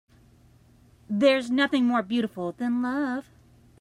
There's nothing more beautiful than love.